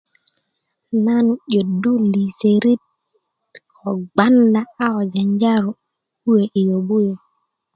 nan 'yuddu lisörit ko gbanda aa ko janjanjaro kuwe' yi yobbu yu